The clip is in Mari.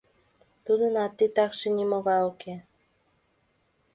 Тудынат титакше нимогай уке.